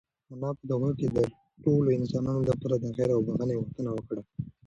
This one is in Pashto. انا په دعا کې د ټولو انسانانو لپاره د خیر او بښنې غوښتنه وکړه.